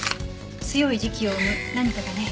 強い磁気を生む何かがね。